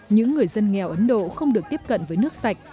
những người dân nghèo ấn độ không được tiếp cận với nước sạch